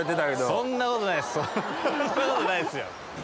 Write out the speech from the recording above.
そんなことないですよ。